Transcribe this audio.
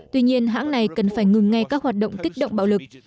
tuy nhiên hãng này cần phải ngừng ngay các hoạt động kích động bạo lực